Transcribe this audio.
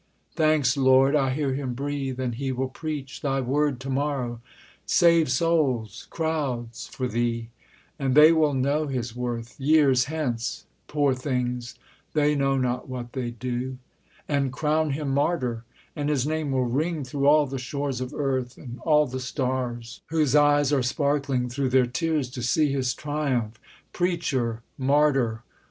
Thanks, Lord! I hear him breathe: And he will preach Thy word to morrow! save Souls, crowds, for Thee! And they will know his worth Years hence poor things, they know not what they do! And crown him martyr; and his name will ring Through all the shores of earth, and all the stars Whose eyes are sparkling through their tears to see His triumph Preacher! Martyr!